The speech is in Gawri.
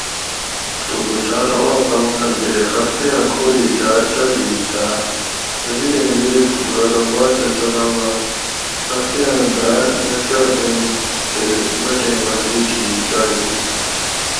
تھوکو سہ ارو او قمقل بِرے خختیاۤں کوئی داۤ چاجینتاۤ؟ وزیریں بِرے تھوکو ارو باچہ سلامات خختیاۤں داۤ نہ چاجنت تے بٹیں وردی کھیکی چاجئی